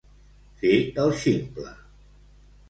Fer el ximple.